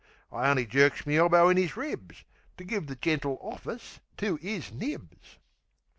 I only jerks me elbow in 'is ribs, To give the gentle office to 'is nibs.